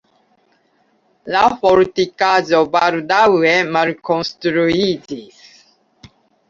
La fortikaĵo baldaŭe malkonstruiĝis.